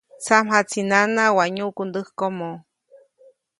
Tsamjaʼtsi nana waʼa nyuʼku ndäkomoʼ.